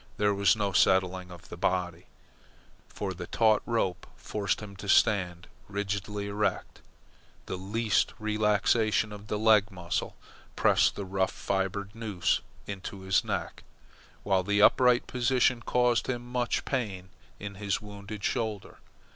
There was no settling of the body, for the taut rope forced him to stand rigidly erect. The least relaxation of the leg muscles pressed the rough fibred noose into his neck, while the upright position caused him much pain in his wounded shoulder.